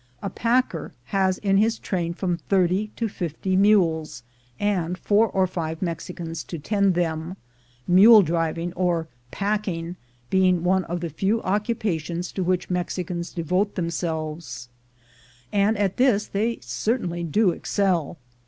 A packer has in his train from thirty to fifty mules, and four or five Mexicans to tend them — mule driving, or "packing," being one of the few occupations to which Mexicans devote themselves; and at this they certainly do excel.